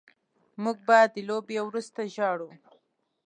موږ به د لوبې وروسته ژاړو